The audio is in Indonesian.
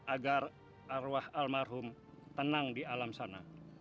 agar arwah almarhum tenang di alam sana